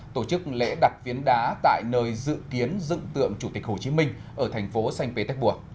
tổ chức lễ đặt phiến đá tại nơi dự kiến dựng tượng chủ tịch hồ chí minh ở thành phố sanh pé tec bua